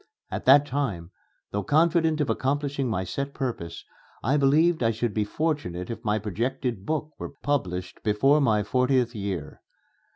At that time, though confident of accomplishing my set purpose, I believed I should be fortunate if my projected book were published before my fortieth year.